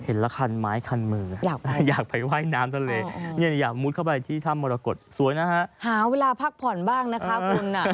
เห็นรึคันไม้คะเนียวอยากไปว่ายน้ำต้นเลยอย่ามุบเข้าไปที่ทำมาละขดสวยนะฮะหาเวลาพักผ่อนบ้างนะครับเลยนะ